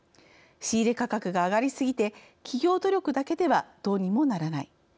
仕入れ価格が上がりすぎて企業努力だけではどうにもならない。